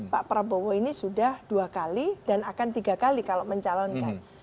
pak prabowo ini sudah dua kali dan akan tiga kali kalau mencalonkan